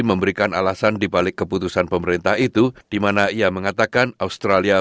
memberikan kemampuan dan mencari masalah